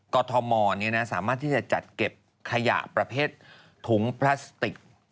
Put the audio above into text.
กฎธมรเนี่ยนะสามารถที่จะจัดเก็บขยะประเภทถุงพลาสติก